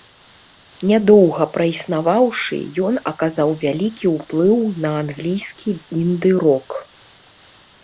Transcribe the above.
Нядоўга праіснаваўшы, ён аказаў вялікі ўплыў на англійскі інды-рок.